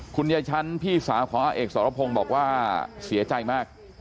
คุณยายชั้นพี่สาวของอาเอกสรพงศ์บอกว่าเสียใจมาก